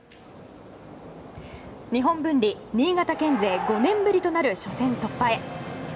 日本文理新潟県勢５年ぶりとなる初戦突破へ。